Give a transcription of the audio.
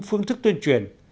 phương thức tuyên truyền